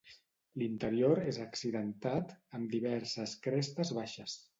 L'interior és accidentat, amb diverses crestes baixes.